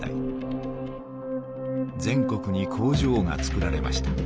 全国に工場がつくられました。